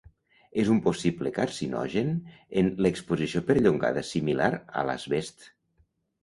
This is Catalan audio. És un possible carcinogen en l'exposició perllongada similar a l'asbest.